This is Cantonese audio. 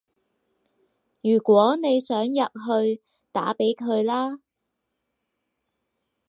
如果你想入去，打畀佢啦